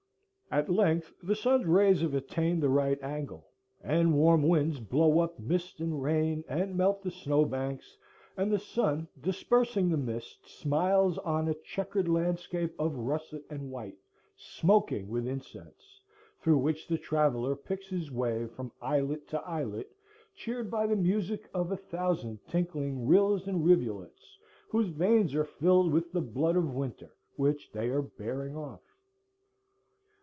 At length the sun's rays have attained the right angle, and warm winds blow up mist and rain and melt the snow banks, and the sun dispersing the mist smiles on a checkered landscape of russet and white smoking with incense, through which the traveller picks his way from islet to islet, cheered by the music of a thousand tinkling rills and rivulets whose veins are filled with the blood of winter which they are bearing off.